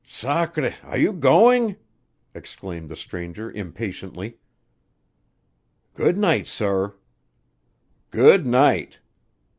"Sacré, are you going?" exclaimed the stranger, impatiently. "Good night, sor." "Good night."